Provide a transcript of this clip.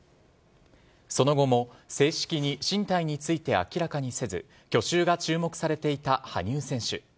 その後も正式に進退について明らかにせず、去就が注目されていた羽生選手。